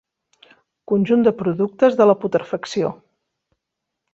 Conjunt de productes de la putrefacció.